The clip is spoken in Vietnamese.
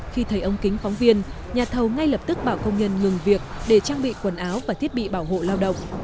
khi thấy ông kính phóng viên nhà thầu ngay lập tức bảo công nhân ngừng việc để trang bị quần áo và thiết bị bảo hộ lao động